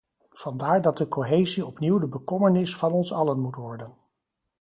Vandaar dat de cohesie opnieuw de bekommernis van ons allen moet worden.